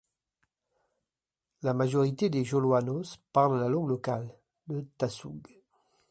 La majorité des Joloanos parlent la langue locale, le tasug.